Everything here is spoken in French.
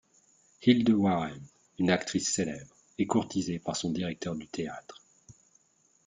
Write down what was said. Hilde Warren, une actrice célèbre, est courtisée par son directeur du théâtre.